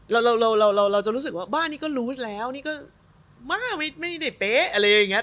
เราเราจะรู้สึกว่าบ้านนี้ก็รูสแล้วนี่ก็มากไม่ได้เป๊ะอะไรอย่างนี้